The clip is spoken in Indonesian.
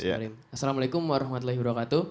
assalamualaikum warahmatullahi wabarakatuh